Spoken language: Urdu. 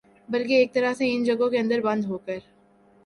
بلکہ ایک طرح سے ان جگہوں کے اندر بند ہوکر